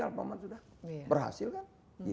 alphamart sudah berhasil kan